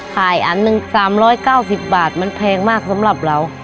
อันหนึ่ง๓๙๐บาทมันแพงมากสำหรับเรา